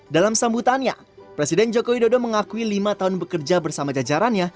dalam sambutannya presiden joko widodo mengakui lima tahun bekerja bersama jajarannya